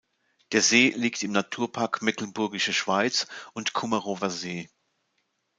Der See liegt im Naturpark Mecklenburgische Schweiz und Kummerower See.